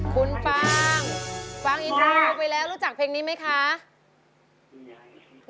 คุณปังฟังอินโทรเข้าไปแล้วรู้จักเพลงนี้ไหมคะคุณปัง